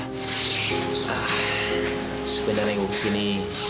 sepedang sepedang yang ke sini